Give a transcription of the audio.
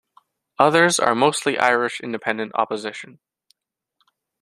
"Others" are mostly Irish Independent Opposition.